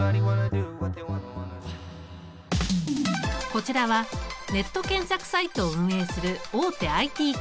こちらはネット検索サイトを運営する大手ＩＴ企業。